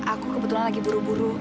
aku kebetulan lagi buru buru